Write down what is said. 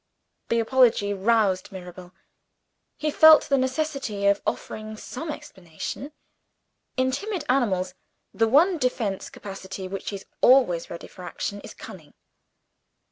The apology roused Mirabel: he felt the necessity of offering some explanation. In timid animals, the one defensive capacity which is always ready for action is cunning.